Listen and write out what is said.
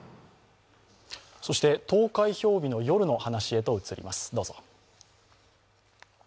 そして投開票日の夜の話へと移ります。